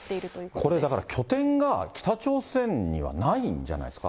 これだから拠点が北朝鮮にはないんじゃないですか。